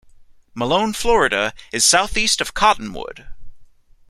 Malone, Florida, is southeast of Cottonwood.